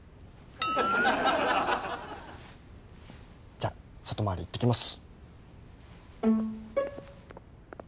じゃあ外回り行ってきます。